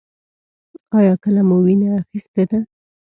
ایا کله مو وینه اخیستې ده؟